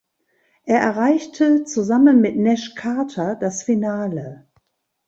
Er erreichte zusammen mit Nash Carter das Finale.